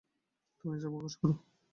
তোমার ইচ্ছা প্রকাশ করো।